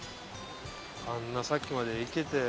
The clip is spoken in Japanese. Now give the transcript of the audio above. ・あんなさっきまで生きてて。